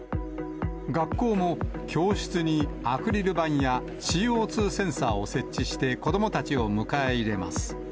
学校も教室にアクリル板やＣＯ２センサーを設置して子どもたちを迎え入れます。